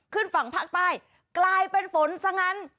ขึ้นฝั่งภาคใต้กลายเป็นฝนซะงั้น